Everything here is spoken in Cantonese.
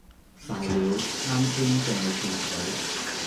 曬料，岩先仲未串佢